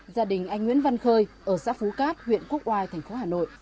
gia đình anh nguyễn văn khơi ở xã phú cát huyện quốc oai thành phố hà nội